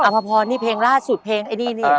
ภพรนี่เพลงล่าสุดเพลงไอ้นี่นี่